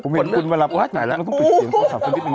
เป็นรองหัวหน้าพักกูมีต้นต้องปิดเสียงทุกทีค่ะ